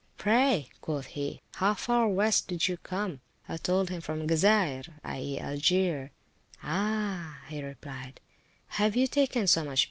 Pray, quoth he, how far west did you come? I told him from Gazair, i.e. Algier. Ah! replied he, have you taken so much [p.